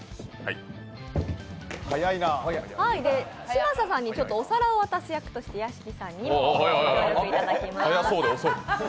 嶋佐さんにお皿を渡す役として屋敷さんにもご協力いただきます。